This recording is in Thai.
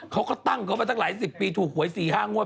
เขาก็ตั้งเขามาตั้งหลายสิบปีถูกหวย๔๕งวด